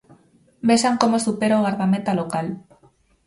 Vexan como supera o gardameta local.